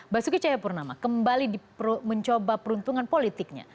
basuki cahayapurnama kembali mencoba peruntungan politiknya